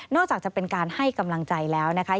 จะเป็นการให้กำลังใจแล้วนะคะ